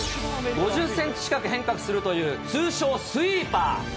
５０センチ近く変化するという通称、スイーパー。